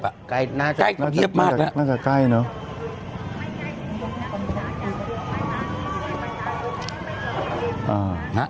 ก็ใกล้เงียบน่าจะใกล้เนาะ